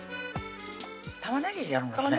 玉ねぎでやるんですね